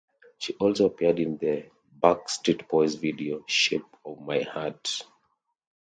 She also appeared in the Backstreet Boys video "Shape of My Heart".